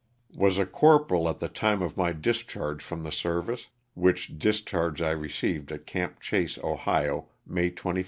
Was a corporal at the time of my discharge from the service, which discharge I received at '^Camp Chase," Ohio, May 25, 1865.